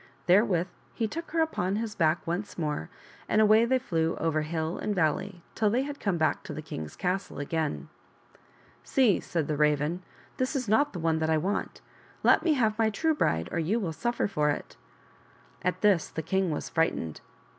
Therewith he took her upon his back once more, and away they flew over hill and valley till they had come back to the king's castle again. " See," said the Raven, " this is not the one I want. Let me have my true bride or you will suffer for it." At this the king was frightened.